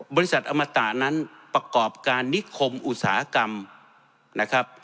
กรมตะนั้นประกอบการนิคมอุตสาหกรรมนะครับ